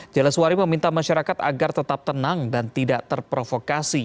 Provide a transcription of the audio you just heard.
jaleswari meminta masyarakat agar tetap tenang dan tidak terprovokasi